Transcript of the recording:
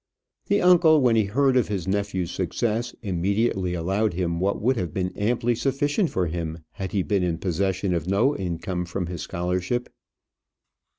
The uncle, when he heard of his nephew's success, immediately allowed him what would have been amply sufficient for him had he been in possession of no income from his scholarship.